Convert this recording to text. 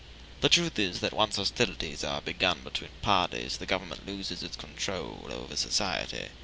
The truth is, that when once hostilities are begun between parties, the government loses its control over society.